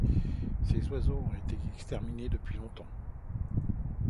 Ces oiseaux ont été exterminés depuis longtemps.